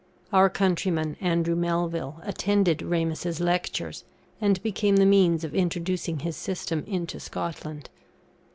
Our countryman, Andrew Melville, attended Ramus's Lectures, and became the means of introducing his system into Scotland.